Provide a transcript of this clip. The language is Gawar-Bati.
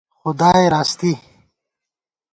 خدائے راستی